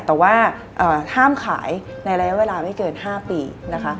แต่ว่าห้ามขายในระยะเวลาไม่เกิน๕ปีนะคะ